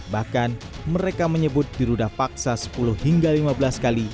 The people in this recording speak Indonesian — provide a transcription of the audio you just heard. bahkan mereka menyebut dirudah paksa sepuluh hingga lima belas kali